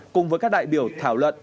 cùng với các đại biểu thảo luận